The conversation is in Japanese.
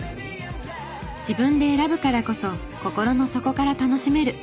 自分で選ぶからこそ心の底から楽しめる。